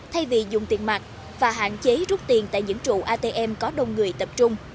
thay vì dùng tiền mặt và hạn chế rút tiền tại những trụ atm có đông người tập trung